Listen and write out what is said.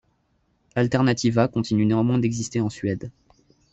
Alternativa continue néanmoins d'exister en Suède.